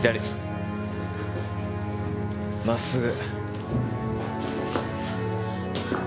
まっすぐ。